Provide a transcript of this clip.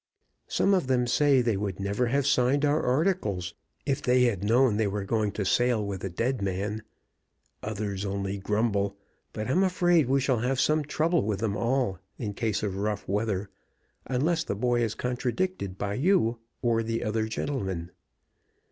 Some of them say they would never have signed our articles if they had known they were going to sail with a dead man; others only grumble; but I'm afraid we shall have some trouble with them all, in case of rough weather, unless the boy is contradicted by you or the other gentleman.